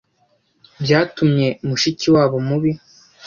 byatumye mushikiwabo mubi